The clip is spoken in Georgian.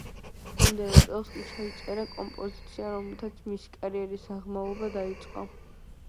მომდევნო წელს კი ჩაიწერა კომპოზიცია, რომლითაც მისი კარიერის აღმავლობა დაიწყო.